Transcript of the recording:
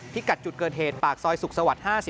กัดจุดเกิดเหตุปากซอยสุขสวรรค์๕๔